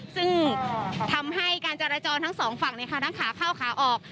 ซึ่งทำให้การจราจรทั้งสองฝั่งทั้งขาเข้าขาออก